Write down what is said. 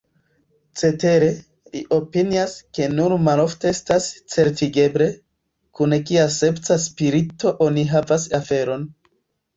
Cetere, li opinias, ke nur malofte estas certigeble, kun kiaspeca spirito oni havas aferon.